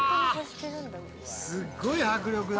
すっごい迫力だ。